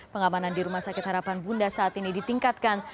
pengamanan di rumah sakit harapan bunda saat ini ditingkatkan